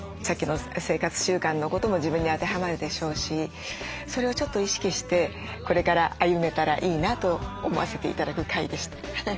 さっきの生活習慣のことも自分に当てはまるでしょうしそれをちょっと意識してこれから歩めたらいいなと思わせて頂く回でした。